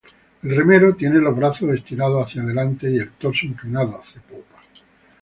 El remero tiene los brazos estirados hacia delante y el torso inclinado hacia popa.